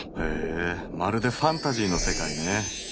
へえまるでファンタジーの世界ね。